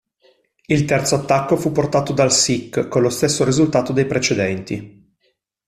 Il terzo attacco fu portato dal "Sikh", con lo stesso risultato dei precedenti.